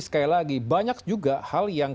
sekali lagi banyak juga hal yang